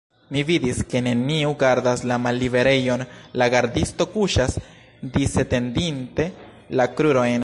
Mi vidis, ke neniu gardas la malliberejon, la gardisto kuŝas, disetendinte la krurojn.